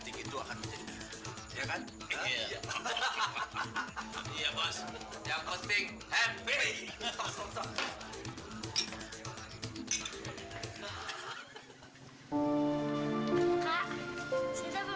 soalnya ibu pulangnya agak malam